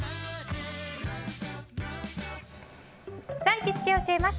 行きつけ教えます！